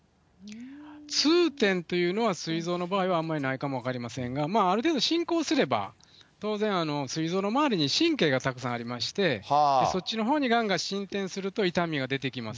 痛点というのはすい臓の場合はあまりないかも分かりませんが、まあある程度進行すれば、当然すい臓の周りに神経がたくさんありまして、そっちの方にがんが進展すると、痛みが出てきます。